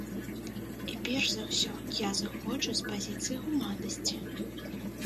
І перш за ўсё, я зыходжу з пазіцыі гуманнасці.